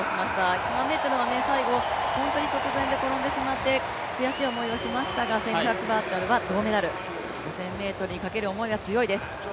１００００ｍの直線、本当に直前で転んでしまって悔しい思いをしましたが銅メダル、５０００ｍにかける思いは強いです。